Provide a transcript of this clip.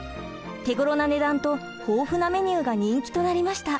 手ごろな値段と豊富なメニューが人気となりました。